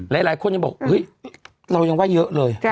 หลายคนยังบอกเฮ้ยเรายังว่าเยอะเลย